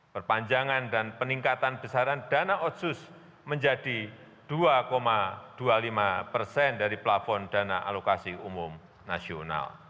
perpanjangan dan peningkatan besaran dana otsus menjadi dua dua puluh lima persen dari plafon dana alokasi umum nasional